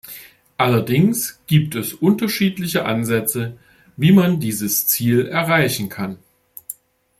Allerdings gibt es unterschiedliche Ansätze, wie man dieses Ziel erreichen kann.